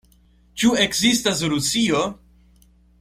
Ĉu ekzistas Rusio?